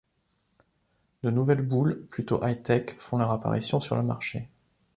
De nouvelles boules plutôt high tech font leur apparition sur le marché.